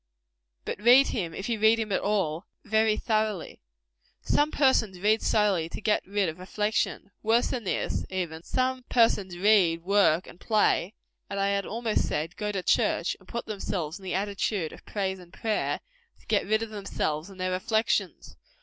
But read him, if you read him at all, very thoroughly. Some persons read solely to get rid of reflection. Worse than this, even; some persons read, work and play and I had almost said, go to church, and put themselves in the attitude of prayer and praise to get rid of themselves and their reflections.